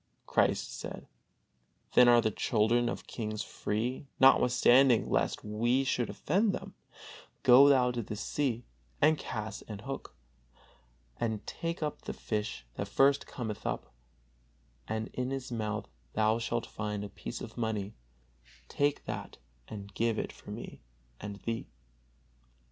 Christ said: "Then are the children of kings free; notwithstanding, lest we should offend them, go thou to the sea, and cast an hook, and take up the fish that first cometh up; and in his mouth thou shalt find a piece of money; take that and give it for me and thee."